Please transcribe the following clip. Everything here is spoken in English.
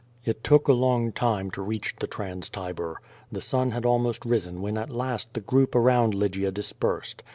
It took a long time to reach the Trans Tiber. The sun had almost risen when at last the group around Lygia dispersed.